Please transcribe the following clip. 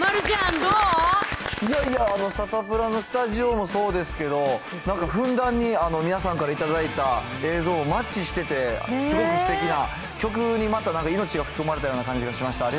いやいや、サタプラのスタジオもそうですけど、なんかふんだんに、皆さんから頂いた映像、マッチしてて、すごくすてきな、曲にまた命を吹き込まれたような感じがしました